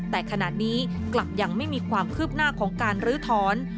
แต่ขณะนี้กลับยังไม่มีความคืบหน้าของการลื้อถอน